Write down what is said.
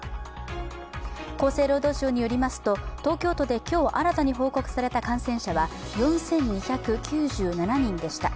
厚生労働省によりますと東京都で今日新たに報告された感染者は４２９７人でした。